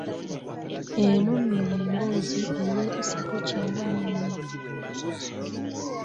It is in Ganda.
Eno nno y'emboozi ey'ebisatu kyenda mu nnya.